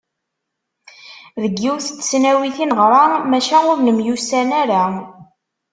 Deg yiwet n tesnawit i neɣra maca ur nemyussan ara.